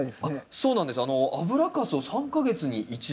そうなんです。